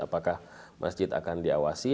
apakah masjid akan diawasi